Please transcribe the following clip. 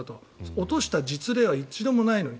落とした実例は一度もないのに。